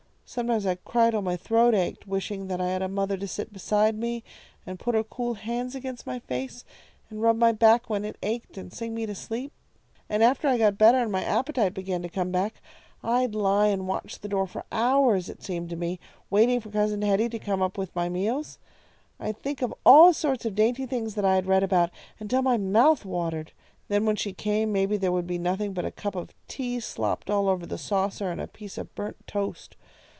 Sometimes I'd cry till my throat ached, wishing that I had a mother to sit beside me, and put her cool hands against my face, and rub my back when it ached, and sing me to sleep. And after I got better, and my appetite began to come back, I'd lie and watch the door for hours, it seemed to me, waiting for Cousin Hetty to come up with my meals. I'd think of all sorts of dainty things that I had read about, until my mouth watered. Then when she came, maybe there would be nothing but a cup of tea slopped all over the saucer, and a piece of burnt toast.